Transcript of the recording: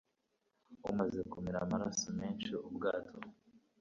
umaze kumiramaraso menshi, ubwato